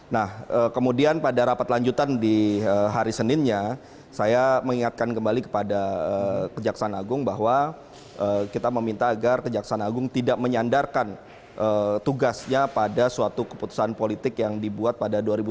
nah kemudian pada rapat lanjutan di hari seninnya saya mengingatkan kembali kepada kejaksaan agung bahwa kita meminta agar kejaksaan agung tidak menyandarkan tugasnya pada suatu keputusan politik yang dibuat pada dua ribu sembilan belas